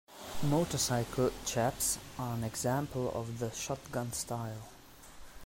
Motorcycle chaps are an example of the shotgun style.